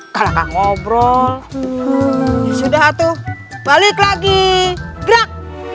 kalahkan ngobrol sudah tuh balik lagi gerak